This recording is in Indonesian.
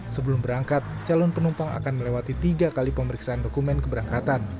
sebelum berangkat calon penumpang akan melewati tiga kali pemeriksaan dokumen keberangkatan